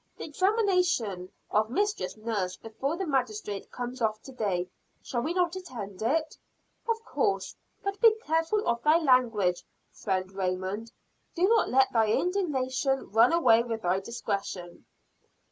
"The examination of Mistress Nurse before the magistrate comes off to day. Shall we not attend it?" "Of course, but be careful of thy language, Friend Raymond. Do not let thy indignation run away with thy discretion."